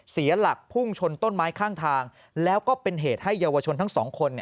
เสียหลักพุ่งชนต้นไม้ข้างทางแล้วก็เป็นเหตุให้เยาวชนทั้งสองคน